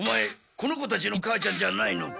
この子たちの母ちゃんじゃないのか？